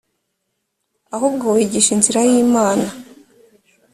ahubwo wigisha inzira y imana